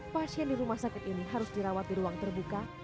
pasien di rumah sakit ini harus dirawat di ruang terbuka